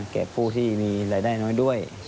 แก่ผู้ที่มีรายได้น้อยด้วย